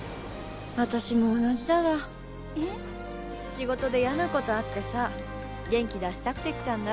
仕事でやなことあってさ元気出したくて来たんだ。